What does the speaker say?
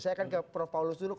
saya akan ke prof paulus dulu